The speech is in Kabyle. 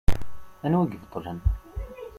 Anwa i ibeṭṭlen?